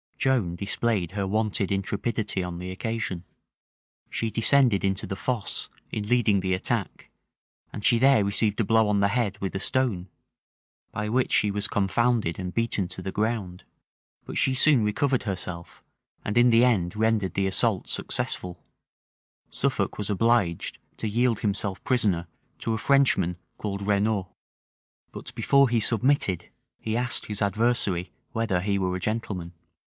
Joan displayed her wonted intrepidity on the occasion. She descended into the fosse, in leading the attack: and she there received a blow on the head with a stone, by which she was confounded and beaten to the ground: but she soon recovered herself, and in the end rendered the assault successful: Suffolk was obliged to yield himself prisoner to a Frenchman called Renaud; but before he submitted, he asked his adversary whether he were a gentleman.